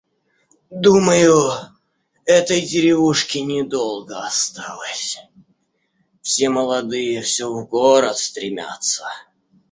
Думаю, этой деревушке недолго осталось. Все молодые всё в город стремятся.